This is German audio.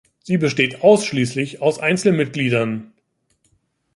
Sie besteht ausschließlich aus Einzelmitgliedern.